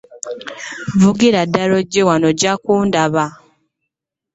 Vugira ddala ojje eno ojja kundaba.